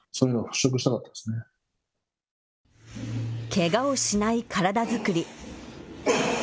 けがをしない体づくり。